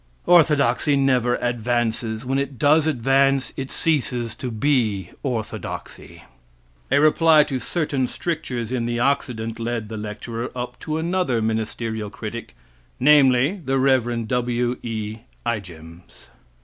Orthodoxy never advances, when it does advance, it ceases to be orthodoxy. A reply to certain strictures in the Occident led the lecturer up to another ministerial critic, namely, the Rev. W.E. Ijams.